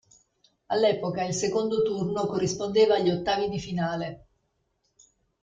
All'epoca il secondo turno corrispondeva agli ottavi di finale.